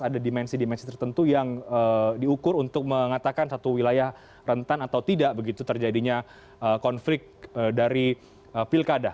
ada dimensi dimensi tertentu yang diukur untuk mengatakan satu wilayah rentan atau tidak begitu terjadinya konflik dari pilkada